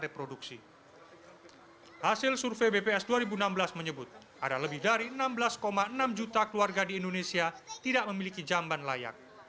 hasil survei bps dua ribu enam belas menyebut ada lebih dari enam belas enam juta keluarga di indonesia tidak memiliki jamban layak